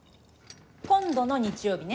今度の日曜日ね？